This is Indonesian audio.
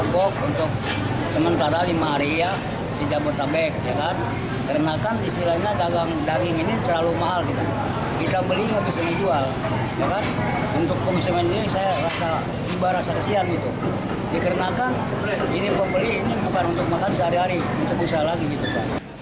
beli ini bukan untuk makan sehari hari itu bisa lagi gitu kan